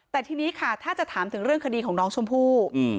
แต่ทีนี้ค่ะถ้าจะถามถึงเรื่องคดีของน้องชมพู่